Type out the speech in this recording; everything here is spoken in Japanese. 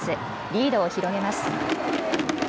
リードを広げます。